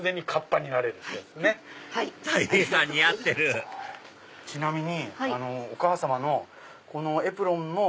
たい平さん似合ってるちなみにお母様のエプロンも。